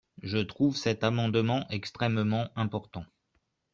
Je trouve cet amendement extrêmement important.